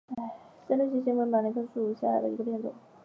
深绿细辛为马兜铃科细辛属下的一个变种。